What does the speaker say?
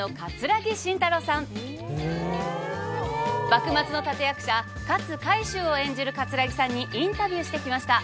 幕末の立て役者勝海舟を演じる桂木さんにインタビューしてきました。